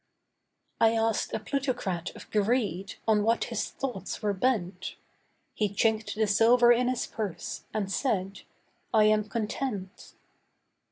I asked a plutocrat of greed, on what his thoughts were bent. He chinked the silver in his purse, and said, 'I am content.